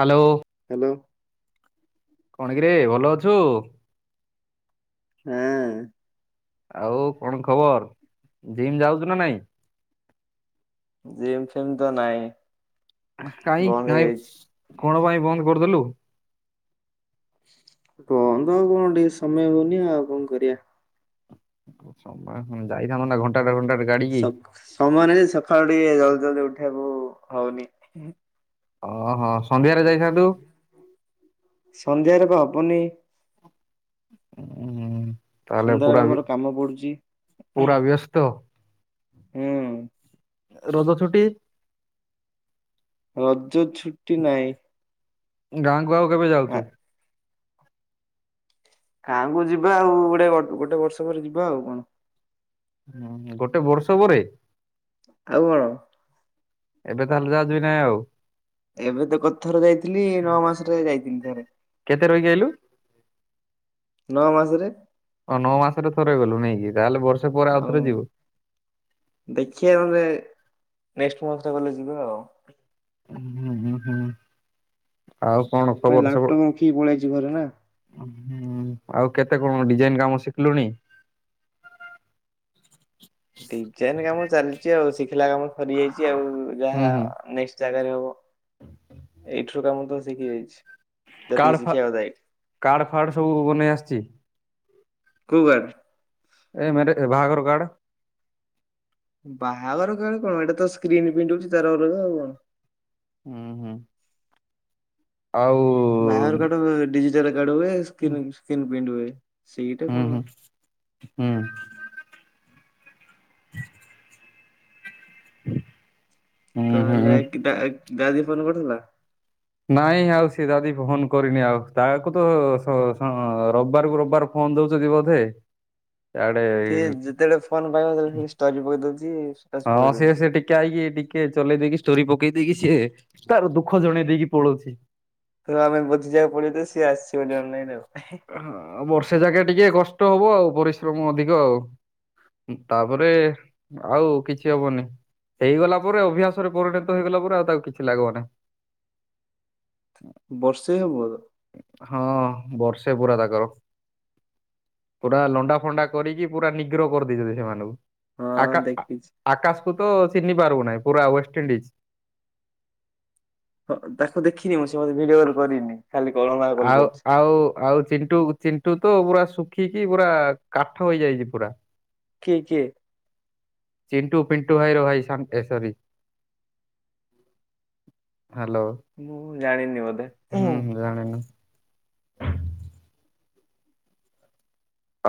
Hello. Hello. କଣ କିରେ ଭଲ ଅଛୁ? ହୁଁ। ଆଉ କଣ ଖବର ଜିମ୍ ଯାଉଛୁ ନା ନାଇଁ? ଜିମ୍ ଫିମ୍ ତ ନାହିଁ। କାଇଁ କଁ କଣ ପାଇଁ ବନ୍ଦ କରିଦେଲୁ? ବନ୍ଦ ଆଉ କଣ ଟିକେ ସମୟ ହଉନି ଆଉ କଣ କରିବା? ସମୟ ଯାଇଥାନ୍ତ ନା ଘଣ୍ଟା ଟେ ଘଣ୍ଟାଟେ ଗାଡିକି ସମୟରେ ସକାଳୁ ଟିକେ ଜଲଦି ଜଲଦି ଉଠେଇବାକୁ ହଉନି ଓହୋ ସନ୍ଧ୍ୟାରେ ଯାଇଥାନ୍ତୁ ସନ୍ଧ୍ୟାରେ ପା ହବନି। ଉୁଁ। ସନ୍ଧ୍ୟାବେଳେ ମୋର କାମ ପଡୁଛି ପୁରା ବ୍ୟସ୍ତ ହୁଁ। ରଜ ଛୁଟି? ରଜ ଛୁଟି ନା। ଗାଁକୁ ଆଉ କେବେ ଯାଉଛୁ? ଗାଁ କୁ ଯିବା ଆଉ ଗୋଟେ ଗୋଟେ ବର୍ଷ ପରେ ଯିବା ଆଉ କଣ? ହୁଁ ଗୋଟେ ବର୍ଷ ପରେ? ଆଉ କଣ? ଏବେ ତାହେଲେ ଯାହା ଯିବି ନାଇଁ ଆଉ? ଏବେ ତ କଥର ଯାଇଥିଲି ନଅ ମାସରେ ଯାଇଥିଲି ଥରେ କେତେ ରହିିକି ଆଇଲୁ? ନଅ ମାସରେ। ହ ନଅ ମାସରେ ଥରେ ଗଲୁ ନେଇକି ତାହେଲେ ବ ହଉ ଦେଖିବାଲେ ନେକ୍ସଟ ମରେ ଗଲେ ଯିବ ଆଉ ହୁଁ ହୁଁ ହୁଁ ଆଉ କଣ ପାଇଁ ଖବର ସବ? ଲାପଟପ୍ ରଖିକି ପଳେଇ ଆଇଚି ଘରେ ନା। ହୁଁ ଆଉ କେତେ କଣ ଡିଜାଇନ କାମ ଶିଖିଲୁଣି? ଡିଜାଇନ କାମ ଚାଲିଛି ଆଉ ଶିଖିଲା କାମ ସରିଯାଇଛି ଆଉ ହୁଁ ଯାହା ହୁଁ। ଜାଗାରେ ହବ ଏଇଠୁରୁ କାମ ତ ଶିଖିଯାଇଛି। କାର୍ଡ ଫା କାଡ଼ ଫାର୍ଡ଼ ସବୁ ବନେଇ ଆସିଛି? କୋଉବାର ଏମରେ ବାହାଘର କାର୍ଡ। ବାହାଘର କାର୍ଡ କଣ ଏଟା ତ ସ୍କ୍ରିନ୍ ପ୍ରିଣ୍ଟ ହୋଉଛି ତାର ଅଲଗା ଆଉ କଣ। ହୁଁ ହୁଁ। ଆଉ ବାହାଘର କାର୍ଡ ଡିଜିଟାଲ କାର୍ଡ ହୁଏ ହୁଁ ସ୍କ୍ରିନ୍ ପ୍ରିଣ୍ଟ ହୁଏ। ସେଇଟା ହୁଁ କଣ ହୁଁ। ହ ହୁଁ ତାହେଲେ ହୁଁ। କି ଦା ଦାଦି ଫୋନ କରୁଥିଲା? ନାଇଁ ଆଉ ସେ ଦାଦି ଫୋନ କରିନି ଆଉ ତାକୁ ତ ସ ଡ୍ ରବିବାରକୁ ରବିବାର ଫନ ଦୋଉଚନ୍ତି ବୋଧେ। ଆଡେ ସିଏ ଯେତେବେଳେ ଫୋନ ପାଇବ ହେତେବେଳେ ସେ ଷ୍ଟୋରି ପକେଇଦଉଛି। ହଁ ସିଏ ସେଠିକ୍ କିଆକି ଟିକେ ଚଲେଇ ଦେଇକି ଷ୍ଟୋରି ପକେଇ ଦେଇକି ସିଏ ତାର ଦୁଃଖ ଜଣେଇ ଦେଇକି ପଳଉଛି। ତ ଆମେ ବୁଝି ଯିବାକୁ ପଡିବ ଯେ ସିଏ ଆସିଚି ବୋଲି ଅନଲାଇନ ଆଉ। ହଁ ବର୍ଷେ ଯାକେ ଟିକେ କଷ୍ଟ ହବ ଆଉ ପରିଶ୍ରମ ଅଧିକ ଆଉ। ତାପରେ ଆଉ କିଛି ହବନି। ହେଇଗଲା ପରେ ଅଭ୍ୟାସରେ ପରିଣତ ହେଇଗଲା ପରେ ଆଉ ତା ଆଉ କିଛି ଲାଗିବ ନାହିଁ। ବର୍ଷେ ହବ ଏବେ। ହଁ ବର୍ଷେ ପୁରା ତାଙ୍କର। ପୁରା ଲଣ୍ଡା ଫଣ୍ଡା କରିକି ପୁରା ନିଗ୍ରହ କରିଦେଇଛନ୍ତି ସେମାନଙ୍କୁ। ହଁ ଆକା ଦେଖିଚି। ଆକାଶକୁୁ ତ ଚିହ୍ନି ପାରୁିବୁନାହିଁ ପୁରା ୱେଷ୍ଟଇଣ୍ଡିଜ। ହଁ ତାକୁ ଦେଖିନି ମୁଁ ସେ ମୋତେ ଭିଡିଓ କଲ କରିନି। ଖାଲି କଳନା ଆଉ ଆଉ ଆଉ ଚିଣ୍ଟୁ ଚିଣ୍ଟୁ ତ ପୁରା ଶୁଖିକି ପୁରା କାଠ ହେଇଯାଇଛି ପୁରା। କିଏ କିଏ? ଚିଣ୍ଟୁ ଫିଣ୍ଟୁ ଭାଇ ର ଭାଇ ଶାନ୍ତି ଏ ସରୀ ହ୍ୟାଲୋ। ମୁଁ ଜାଣିନି ବୋଧେ। ଜାଣୀନୁ।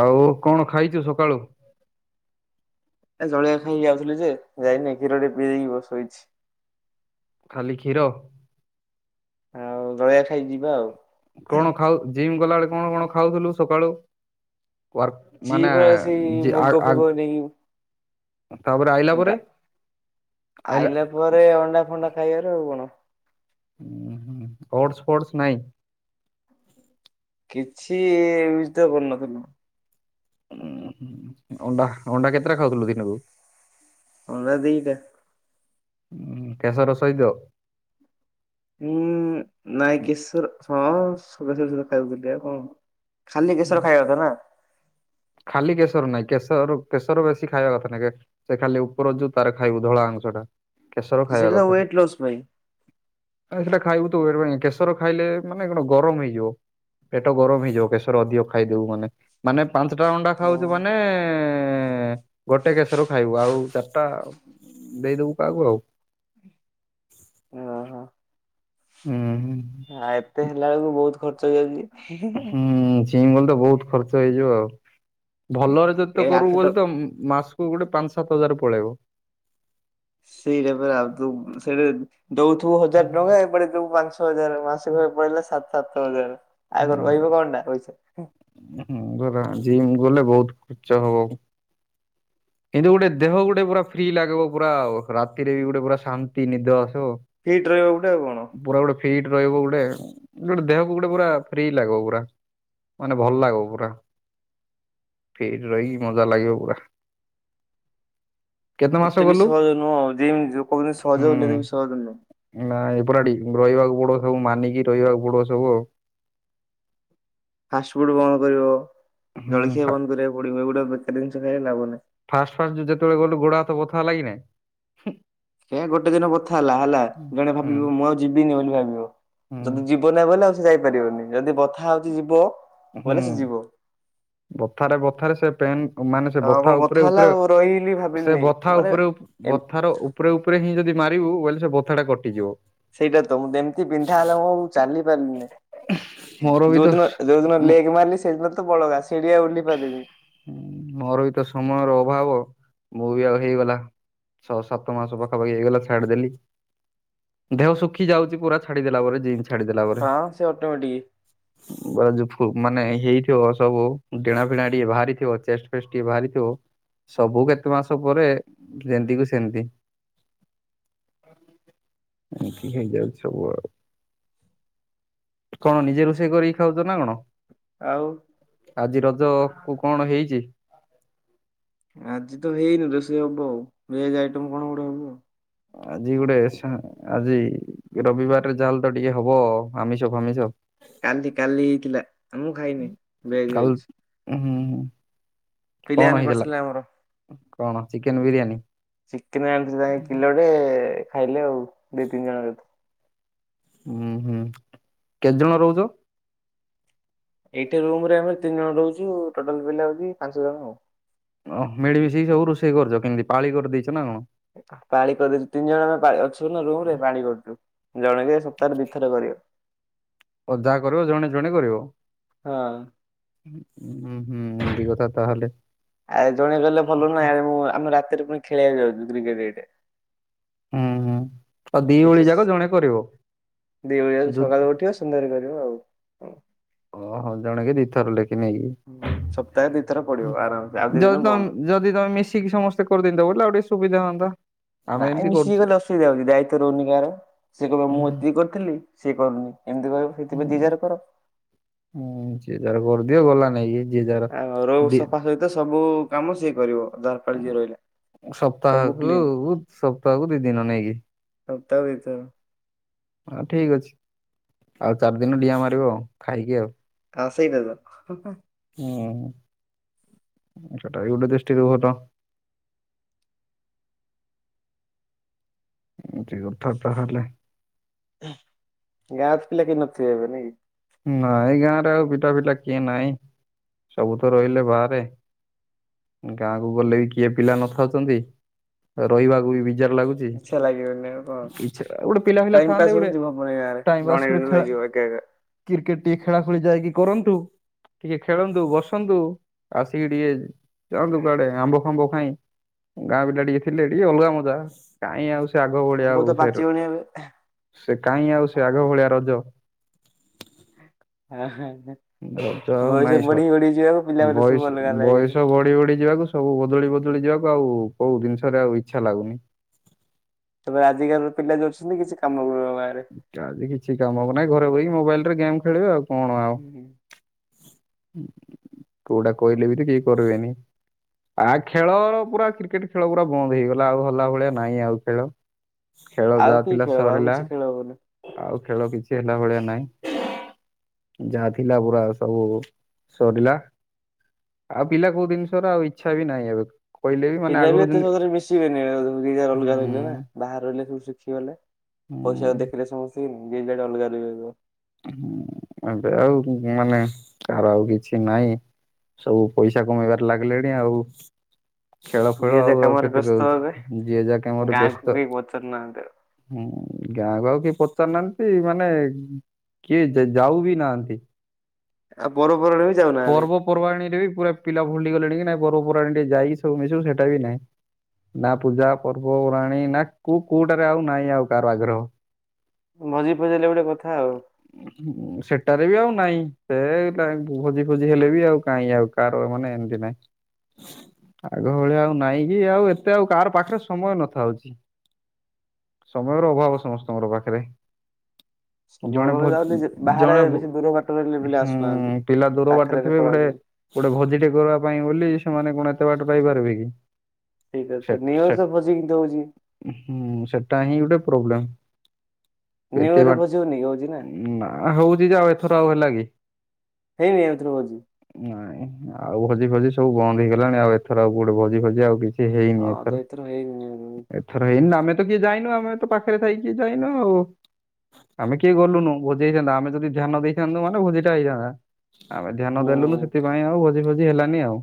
ଆଉ କଣ ଖାଇଛୁ ସକାଳୁ? ଏ ଜଳଖିଆ ଖାଇକି ଯାଉଥିଲି ଯେ ଯାଇନି କ୍ଷୀର ଟିକେ ପିଇଦେଇକି ଶୋଇଚି। ଖାଲି କ୍ଷୀର। ଆଉ ଜଳିଖିଆ ଖାଇ ଯିବା ଆଉ। କଣ ଖାଉ ଜିମ୍ ଗଲାବେଳେେ କଣ କଣ ଖାଉଥିଲୁ ସକାଳୁ? ୱାର୍କ ସିଏ ମାନେ ପା ସେଇ ଯେ ଆ ମୁଗ ଫୁଗ ଆଗ ଏନ୍ତା ଆଇଲା ପରେ ଅଣ୍ଡା ଫଣ୍ଡା ଖାଇବାର ଆଉ କଣ। ହିଁ ହିଁ ଓଟସ୍ ଫୋଡର୍ସ ନାଇଁ। କିଛି ଇମିତି ତ କରୁନଥିଲୁ। ହୁ ହୁ ଅଣ୍ଡା ଅଣ୍ଡା କେତେଟା ଖାଉଥିଲୁ ଦିନକୁ? ଅଣ୍ଡା ଦୁଇଟା। ହଁ କେଶର ସହିତ। ହୁଁ ନାଇ କେଶର ହଁ ସେ ଶଵ ଶଵର ଖାଇଦଉଥିଲି ଆଉ କଣ? ଖାଲି କେଶର ଖାଇବା କଥା ନା? ଖାଲି କେଶର ନାଇଁ କେଶରୁ କେଶର ବେଶୀ ଖାଇବା କଥା ନାଇଁ କେ ସେ ଖାଲି ଉପର ଯୋଉ ତାର ଖାଇବୁ ଧଳା ଅଂଶଟା କେଶର ଖାଇବା ସେଇଟା କଥା। ୱେଟ୍ ଲସ୍ ପାଇଁ। ସେଇଟା ଖାଇବୁ ତୁ ୱେଟ୍ ପାଇଁ କେଶର ଖାଇଲେ ମାନେ କଣ ଗରମ ହେଇଯିବ। ପେଟ ଗରମ ହେଇଯାଉ କେଶର ଅଧିକ ଖାଇଦବୁ ମାନେ ମାନେ ପାଞ୍ଚଟା ଅଣ୍ଡା ହଁ ଖାଉଚୁ ମାନେ ଗୋଟେ କେଶର ଖାଇବୁ ଆଉ ଚାରିଟା ଦେଇଦବୁ କାହାକୁ ଆଉ। ହୁଁ‌। ହଁ ଏତେ ହେଲା ବେଳକୁ ବହୁତ୍ ଖର୍ଚ୍ଚ ହେଇଯାଉଚି [unintelligible] ହୁଁ ଜିମ ଗଲେ ତ ବହୁତ୍ ଖର୍ଚ୍ଚ ହେଇଯିବ। ଆଉ ଭଲରେ ଯଦି ତ ଏ ଆଠ କରୁ ଟ ବୋଲେ ତ ମ ମାସ୍ ସକୁ ଗୋଟେ ପାଞ୍ଚ ସାତ ହଜାର ପଳେଇବ। ସେଇଟା ପା ଆଉ ତୁ ସେଇଟା ଦଉଥିବୁ ହଜାର ଟଙ୍କା ଏପଟେ ଦବୁ ପାଞ୍ଚ ଆଠ ହଜାର ମାସିକ ଭାବେ ପଡିଲେ ସାତ ସାତ ହଜାର ଆଗ ରହିବ କଣଟା ପଇସା। ହିଁ ଧରା ଜିମ୍ ଗଲେ ବହୁତ୍ ଖର୍ଚ୍ଚ ହବ। କିନ୍ତୁ ଗୋଟେ ଦେହ ଗୋଟେ ପୁରା ଫ୍ରି ଲାଗିବ ପୁରା ରାତିରେ ବି ଗୋଟେ ପୁରା ଶାନ୍ତି ନିଦ ଆସିବ। ଫିଟ୍ ରହିବା ଗୋଟେ ଆଉ କଣ। ପୁରା ଗୋଟେ ଫିଟ୍ ରହିବୁ ଗୋଟେ ଗ ଗୋଟେ ଦେହକୁ ଗୋଟେ ପୁରା ଫ୍ରି ଲାଗିବ ପୁରା ମାନେ ଭଲ ଲାଗିବ ପୁରା। ଫିଟ୍ ରହିକି ମଜା ଲାଗିବ ପୁରା। କେତେ ମାସ ଏତେ ବି ଗଲୁ? ସହଜ ନୁହଁ ଜିମ୍ ଯୋଉ କହୁଚନ୍ତି ହୁଁ ସହଜ ବୋଲି ଏତେ ବି ସହଜ ନୁହଁ। ନା ଏ ପୁରା ଡି ରହିବାକୁ ପଡିବ ସବୁ ମାନିକି ରହିବାକୁ ପଡିବ ସବୁ ଆଉ। ଫାଷ୍ଟଫୁଡ ବନ୍ଦ କରିବ ହୁଁ ଜଳଖିଆ ବନ୍ଦ କରିବାକୁ ପଡ଼ିବ ଏଗୁଡ଼ା ବେକାରୀ ଜିନିଷ ଖାଇଲେ ଲାଭ ନାହିଁ। ଫାଷ୍ଟ ଫାଷ୍ଟ ଯେତବେଳେ ଗଲୁ ଗୋଡ ହାତ ବୋଥା ହେଲା କି ନାଇଁ? ହେ ଗୋଟେ ଦିନ ବଥା ହେଲା ହେଲା ହୁଁ। ଜଣେ ହୁଁ ଭାବିବ ମୁଁ ଆଉ ଯିବିନି ବୋଲି ଭାବିବ ଯଦି ହୁଁ ଯି ଯିବ ନା ବଲେ ଆଉ ସେ ଯାଇପାରିବନି ଯଦି ବଥା ହଉଛି ଯିବ ହୁଁ ବୋଇଲେ ସେ ଯିବ। ବଥାରେ ବଥାରେ ସେ ପେନ୍ ମାନେ ସେ ହଁ ମୁଁ ବଥା ଉପରେ ହେଲା ଉପରେ ଆଉ ରହିଲି ସେ ଭାବିଲିନି ବଥା ମାନେ ଉପରେ ଏମ୍ ବଥାର ଉପରେ ଉପରେ ହିଁ ଯଦି ମାରିବୁ ବୋଇଲେ ସେ ବଥାଟା କଟିଯିବ। ସେଇଟା ତ ମୁଁ ଯେମ୍ତି ପିନ୍ଧା ହେଲେ ମୁଁ ଉ ଚାଲି ପାରିଲିନା। ମୋର ବି ଯୋଉ ତ ଦିନ ଯୋଉ ଦିନ ମୋ ଲେଗ୍ ମାରିଲି ସେଦିନ ତ ବଳଗ ଆସି ଚିଡ଼ିଆ ଉଲଲିପଦବି। ହୁଁ ମୋର ବି ତ ସମୟର ଅଭାବ ମୁଁ ବି ଆଉ ହେଇଗଲା। ଛଅ ସାତ ମାସ ପାଖାପାଖି ହେଇଗଲା ଛାଡିଦେଲି। ଦେହ ଶୁଖିଯାଉଚି ପୁରା ଛାଡିଦେଲା ପରେ [unintelligible] ଛାଡିଦେଲା ପରେ। ହଁ ସେ ଅଟୋମେଟିକ ବା ଯୋଉ ଫୁ ମାନେ ଇଏ ହେଇଥିବ ସବୁ। ଡେଣାଫିଣା ଟିକେ ବାହାରି ଥିବ ଚେଷ୍ଟ ଫେଷ୍ଟ ଟିକେ ବାରିଥିବ। ସବୁ କେତେ ମାସ ପରେ ଯେମତିକୁ ସେମିତି। ଏକତି ହେଇଯାଉ ସବୁ ଆଉ। କଣ ନିଜେ ରୋଷେଇ କରିକି ଖାଉଚ ନା କଣ? ଆଉ। ଆଜି ରଜକୁ କଣ ହେଇଚି? ଆଜି ତ ହେଇନି ରୋଷେଇ ହବ ଆଉ ଭେଜ ଆଇଟମ କଣ ଗୁଡେ ହବ ଆଉ। ଆଜି ଗୋଟେ ଆଚ୍ଛା ଆଜି ରବିବାରରେ ଜାଲ ତ ଟିକେ ହବ ଆମିଷ ଫାମିଷ। କାଲି କାଲି [unintelligible] ମୁଁ ଖାଇନି ଭେଜ କାଲି ହେଇଛି। ଉଁ ହୁଁ ‌। କଣ ପିଲାମାନେ ହେଥିଲା? କରିଥିଲେ ଆମର କଣ ଚିକେନ ବିରିୟାନୀ? ରେ ଖାଇଲୁ ଆଉ ଦି ତିନି ଜଣ ହୁଁ ହୁଁ କେତେଜଣ ରହୁଚ? ଏଇଠା ରୁମ ରେ ଆମ ତିନି ଜଣ ରହୁଚୁ। ଟୋଟାଲ ପିଲା ହଉଚି ପାଞ୍ଚ ଜଣ ଆଉ। ଓହ ମିଳି ମୀସେଇ ସବୁ ରୋଷେଇ କରିଚ କେମତି ପାଳି କରିଦେଇଚ ନା କଣ? ପାଣି କରିଦେଇଚୁ। ତିନି ଜଣ ଆମେ ପା ଅଛୁ ରୁମ ରେ ପାଳି କରୁଚୁ। ଜଳଖିଆ ସପ୍ତାହରେ ଦିଇଥର କରିବ। ଅଧା କରିବ ଜଣେ ଜଣେ କରିବ। ଆ ହୁଁ ହୁଁ ଏମତି କଥା ତାହଲେ। ଆରେ ଜଣେ ଗଲେ ଭଲ ନୁହ। ଆରେ ମୁଁ ଆମେ ରାତିରେ ପୁଣି ଖେଳିବାକୁ ଯାଉଚୁ କ୍ରିକେଟ ଏଇଟେ। ହୁଁ ହୁଁ ଆଉ ଦି ଓଳି ଯାକ ଏକ୍ସରସାଇଜ ଜଣେ କରିବ। ଦିନରେ କରିବ ଆଉ। ଓହଁ ଜଣେ କେ ଦିଥର ଲେଖା ହୁଁ ସପ୍ତାହେ ଦିଥର ପଡିବ ନେଇକି। ଆରାମସେ ଆଉ ଦି ଦିନ ଯଦି ବନ୍ଦ। ତମ ଯଦି ତମେ ମିଶିକି ସମସ୍ତେ ଏ କରଦିନ୍ତେ ବଲେ ଆଉ ଟିକେ ସୁଵିଧା ହୁଅନ୍ତା। ଆମେ ନାଇଁ ଏମିତି ମିଶିକି କରୁଛେ। କଲେ ଅସୁବିଧା ହଉଚି। ଦାୟିତ୍ୱ ରହୁନି କାହାର। ସେ କହିବ ମୁଁ ହୁଁ ଏତିକି କରିଥିଲି, ସିଏ କରୁନି ଏମିତି କହିବ। ସେଇଥିପାଇଁ ଯିଏ ହୁଁ ଯାର କର। ହୁଁ ସେ ତାର କରିଦିଅ ଗଲା ନାଇଁ କି? ଆ ଘର ସଫା ସହିତ ସବୁ କାମ ସିଏ କରିବ ଯାର ପାଳି ଯିଏ ରହିଲା। ସବୁ ସପ୍ତାହକୁ କ୍ଲିନ ଉ ସପ୍ତାହକୁ ଦି ଦିନ ନେଇକି? ସପ୍ତାହ କୁ ଦି ଥର। ହଁ ଠିକ ଅଛି। ଆଉ ଚାରି ଦିନ ଡିଆ ମାରିବ ଆଉ ଖାଇକି ଆଉ। ଆ ସେଇଟା ତ। ହୁଁ ସେଟା ବି ଗୋଟେ ଦୃଷ୍ଟିରୁ ଭଲ। ଏମିତି କଥା ତା ହେଲେ। ଗାସ ପିଲା କିଏ ନଥିବେ ଏବେ ନାହିଁ କି? ନାଇଁ ଗାଁ ରେ ଆଉ ପିଠା ଫିଟା କିଏ ନାଇଁ। ସବୁ ତ ରହିଲେ ବାହାରେ। ଗାଁକୁ ଗଲେ ବି କିଏ ପିଲା ନଥାଉଚନ୍ତି। ରହିବାକୁ ବି ବିଜାର ଲାଗୁଚି। ଚି। ଇଚ୍ଛା ଲାଗିବନି ଆଉ କଣ। ବିଯା ଗୋଟେ ପିଲା ପିଲା ଟାଇମ ପାସ୍ ଥାଆନ୍ତେ ଗୋଟେ ହଉଛି ହବନି ଗାଁରେ ଟାଇ ଜଣେ ପାସ୍ ଗୋଟେ ଜଣେ ଖେଳ ଲାଗିବ ଏକା ଏକା କ୍ରିକେଟ ଟିକେ ଖେଳା ଖେଳି ଯାଇକି କରନ୍ତୁ। ଟିକେ ଖେଳନ୍ତୁ ବସନ୍ତୁ ଆସିକି ଟିକେ ଯାଆନ୍ତୁ କୁଆଡେ ଆମ୍ବ ଫାମ୍ବ ଖାଇ। ଗାଁ ପିଲା ଟିକେ ଥିଲେ ଟିକେ ଅଲଗା ମଜା। କାହିଁ ଆଉ ସେ ଆଗ ଭଳିଆ ଆମ୍ବ ତ ଆଉ ସେ ପାଚିବଣି ଏବେ। ସେ କାଇହିଁ ଆଉ ସେ ଆଗ ଭଳିଆ ରଜ? ଆ ହ। ରଜ ଆଉ ବୟସ ନାଇଁ ସ ବଢି ବଢି ଯିବ ଆ ପିଲା ମାନେ ବୟସ ସବୁ ଅଲଗା ଅଲଗା ବୟସ ହେଇ ବଢି ବଢି ଯିବାକୁ ସବୁ ବଦଳି ବଦଳି ଯିବାକୁ ଆଉ କୋଉ ଜିନିଷରେ ଆଉ ଇଚ୍ଛା ଲାଗୁନି। ତାପରେ ଆଜିକାଲିର ପିଲା ଯଉ ଅଛନ୍ତି କିଛି କାମକୁ ନୁହ ଗାଁ ରେ। ଯାଆନ୍ତି କିଛି କାମକୁ ନାଇଁ। ଘରେ ବଇକି ମୋବାଇଲ ରେ ଗେମ୍ ଖେଳିବେ ଆଉ କଣ ଆଉ। କୋଉଟା କହିଲେ ବି ତ କେହି କରିବେନି। ଆ ଖେଳ ପୁରା କ୍ରିକେଟ ଖେଳ ପୁରା ବନ୍ଦ ହେଇଗଲା ଆଉ ହଲା ଭଳିଆ ନାଇଁ ଆଉ ଖେଳ। ଖେଳ ଆଉ କି ଯାଥିଲା ଖେଳ ହବ ଆଉ ସରିଲା। କିଛି ଖେଳ ହବନି। ଆଉ ଖେଳ କିଛି ହେଲା ଭଳିଆ ନାଇଁ। ଯା ଥିଲା ପୁରା ସବୁ ସରିଲା। ଆଉ ପିଲା କୋଉ ଜିନିଷର ଆଉ ଇଚ୍ଛା ବି ନାହିଁ ଏବେ। କହିଲେ ମାନେ ପିଲା ବି ଆଗରୁ ଏତେ ଯେମିତି ସହଜ ରେ ମିଶିବେନିା ଅଲଗା ଅଲଗା ହୁଁ ବାହାରେ ରହିଲେ [inaudible] ଝି ଗଲେ। ପଇସାକୁ ହୁଁ ଦେଖିଲେ ସମସ୍ତେ ନଯିଏ ଯାଡେ ଅଲଗା ଅଲଗା ରହିବ। ଉଁ ଏବେ ଆଉ ମାନେ କାହାର ଆଉ କିଛି ନାଇଁ। ସବୁ ପଇସା କମେଇବାରେ ଲାଗିଲେଣି ଆଉ। ଖେଳ ଯିଏ ଫେଳ ଯାହା ଆଉ ଆଉ କାମରେ କେତେ ବ୍ୟସ୍ତ କରୁଛି ହେବେ ଯିଏ ଯା କାମରେ ଗାଁକୁ ବ୍ୟସ୍ତ। କେହି ପଚାରୁ ନାହାନ୍ତି ଆଉ। ହୁଁ ଗାଁକୁ ଆଉ କିଏ ପଚାରୁ ନାହାନ୍ତି ମାନେ କିଏ ଯାଉ ବି ନାହାନ୍ତି। ଆଉ ପରପରାଣୀ ବି ଯାଉନାହାଁନ୍ତି। ପର୍ବାଣୀରେ ବି ପୁରା ପିଲା ଭୁଲି ଗଲେଣି କି ନାଇଁ ପର୍ବପବାଣିୀଟିକେ ଯାଇକି ସବୁ ମିଶିବୁ ସେଟା ବି ନାଇଁ। ନା ପୂଜା ପର୍ବ ପର୍ବାଣୀ ନା କୋଉ କୋଉଟାରେ ଆଉ ନାହିଁ ଆଉ କାହାର ଆଗ୍ରହ। ଭଜି ଫଜିଲେ ଗୋଟେ କଥା ଆଉ। ସେଟାରେ ବି ଆଉ ନାହିଁ ସେ ଭୋଜି ଫୋଜି ହେଲେ ବି ଆଉ କାଇଁ ଆଉକାର ମାନେ ଏମିତି ନାଇଁ। ଆଗ ଭଳିଆ ଆଉ ନାଇଁ କି ଆଉ ଏତେ ଆଉ କାହାର ପାଖରେ ସମୟ ନଥାଉଛି। ସମୟର ଅଭାବ ସମସ୍ତଙ୍କର ପାଖରେ। ସମୟ ଜଣେ ବେଳେ ଭ ଯାଉନି ଯେ ବାହାରେ ଜଣେ ଭୋ ବେଶୀ ଦୂର ବାଟରେ ପିଲା ହୁଁ ଆସୁନାହାନ୍ତି। ପିଲା ଦୂର ବାଟରେ ପାଖରେ ଥିବେ ଗୁଡ଼େ ପଳାନ୍ତି ଗୋଟେ ଭୋଜିଟେ କରିବା ପାଇଁ ବୋଲି ସେମାନେ କଣ ଏତେ ବାଟ ପାଇପାରିବେ କି। ଠିକ ଅ ସେ ତ ନିୟର୍ ସେ ତ ଭୋଜିିକିନ୍ତି ହଉଛି। ହୁଁ ସେଟା ହିଁ ଗୋଟେ ପ୍ରୋବ୍ଲେମ୍ ନିଉ ଇୟର ଏତ ରେ ବା ଭୋଜି ହଉନି କି ହଉଛି ନା ଆ ହଉଛି ଯେ ଆଉ ଏଥର ଆଉ ହେଲା କି? ହେଇନି ଏଇଥିରୁ ଭୋଜି। ନାଇଁ ଆଉ ଭୋଜି ଫୋଜି ସବୁ ବନ୍ଦ ହେଇଗଲାଣି ଆଉ ଏଥର ଆଉ କୁଆଡେ ଭୋଜି ଫୋଜି ଆଉ କିଛି ସେ ହେଇନି ହଁ ତ ଏଥର ହେଇନି ଏଥର ହେଇନି ଆମେ ତ କିଏ ଯାଇନୁ ଆମେ ତ ପାଖରେ ଥାଇକିଏ ଯାଇନୁ ଆଉ। ଆମେ କିଏ ଗଲୁନୁ ଭୋଜି ହେଇଥାନ୍ତା ଆମେ ଯଦି ଧ୍ୟାନ ଦେଇଥାନ୍ତୁ ମାନ ଭୋଜିଟା ହେଇଥାନ୍ତା। ଆମେ ଧ୍ୟାନ ଦେଲୁନୁ ହୁଁ। ସେଥିପାଇଁ ଆଉ ଭୋଜି ଭୋଜି ହେଲାନି ଆଉ।